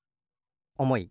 おもい。